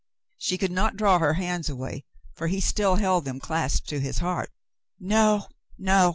She could not draw her hands away, for he still held them clasped to his heart. "No, no